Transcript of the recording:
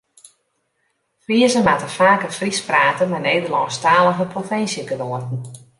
Friezen moatte faker Frysk prate mei Nederlânsktalige provinsjegenoaten.